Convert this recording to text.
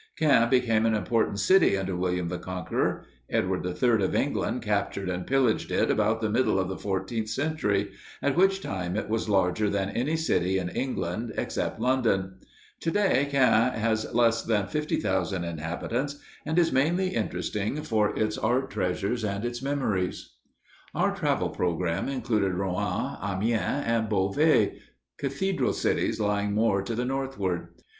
Caen became an important city under William the Conqueror. Edward III of England captured and pillaged it about the middle of the fourteenth century, at which time it was larger than any city in England, except London. To day, Caen has less than fifty thousand inhabitants, and is mainly interesting for its art treasures and its memories. Our travel program included Rouen, Amiens, and Beauvais, cathedral cities lying more to the northward.